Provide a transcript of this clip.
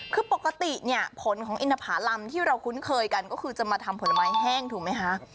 คือปกติเนี่ยผลของอินทภารำที่เราคุ้นเคยกันก็คือจะมาทำผลไม้แห้งถูกไหมคะ